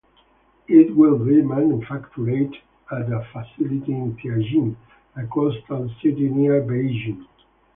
It will be manufactured at a facility in Tianjin, a coastal city near Beijing.